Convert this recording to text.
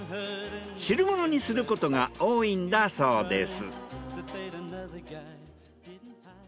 汁物にすることが多いんだそうです。